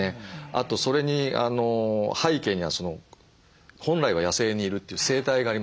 あとそれに背景には本来は野生にいるという生態がありますね。